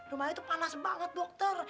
rumahnya itu panas banget dokter